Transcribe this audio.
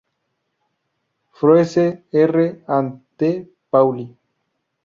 Froese, R. and D. Pauly.